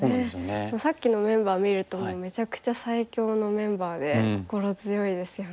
さっきのメンバー見るともうめちゃくちゃ最強のメンバーで心強いですよね。